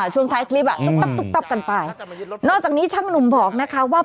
ส่วนท้ายคลิปตุ๊บตับกันไปนอกจากนี้ช่างหนุ่มบอกนะคะว่า